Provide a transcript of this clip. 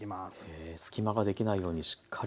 え隙間ができないようにしっかり。